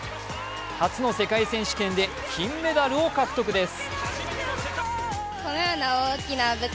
初の世界選手権で金メダルを獲得です。